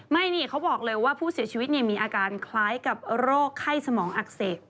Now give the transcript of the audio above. ไม่นี่เขาบอกเลยว่าผู้เสียชีวิตมีอาการคล้ายกับโรคไข้สมองอักเสบ